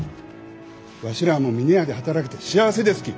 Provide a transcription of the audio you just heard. わしらあも峰屋で働けて幸せですき。